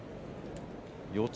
四つ